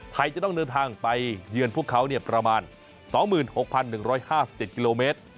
ไทยจะต้องเดินทางไปเยือนพวกเขาประมาณ๒๖๑๕๗กิโลเมตร